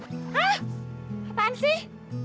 hah apaan sih